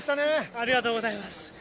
ありがとうございます。